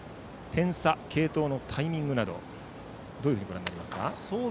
点差、継投のタイミングなどどうご覧になりますか。